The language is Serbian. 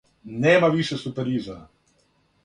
Нема више супервизора.